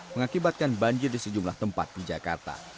mengakibatkan banjir di sejumlah tempat di jakarta